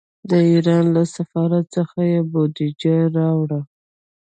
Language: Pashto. د ایران له سفارت څخه یې بودجه راوړه.